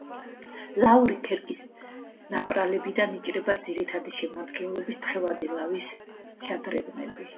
ლავური ქერქის ნაპრალებიდან იჭრება ძირითადი შედგენილობის თხევადი ლავის შადრევნები.